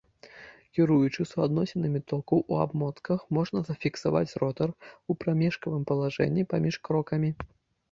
Кіруючы суадносінамі токаў у абмотках можна зафіксаваць ротар у прамежкавым палажэнні паміж крокамі.